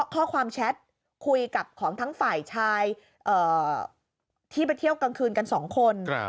แชทคุยกับของทั้งฝ่ายชายที่ไปเที่ยวกลางคืนกัน๒คน